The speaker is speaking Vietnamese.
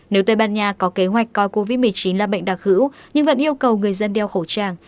nếu tây ban nha có kế hoạch coi covid một mươi chín là bệnh đặc hữu nhưng vẫn yêu cầu người dân đeo khẩu trang